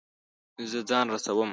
زه ځان رسوم